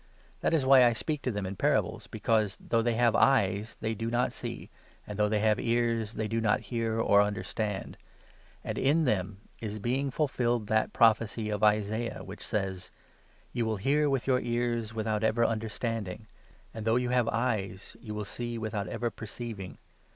That is why I speak to them 13 in parables, because, though they have eyes, they do not see, and though they have ears, they do not hear or understand. And in them is being fulfilled that prophecy of Isaiah which 14 says —' You will hear with your ears without ever understanding1, And, though you have eyes, you will see without ever perceiv ing.